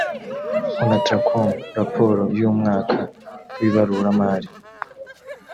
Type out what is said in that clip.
onatracom raporo y umwaka w ibaruramari